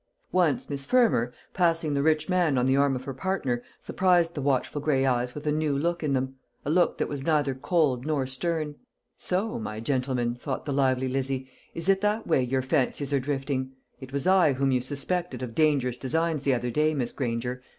Once Miss Fermor, passing the rich man on the arm of her partner, surprised the watchful gray eyes with a new look in them a look that was neither cold nor stern. "So, my gentleman," thought the lively Lizzie, "is it that way your fancies are drifting? It was I whom you suspected of dangerous designs the other day, Miss Granger.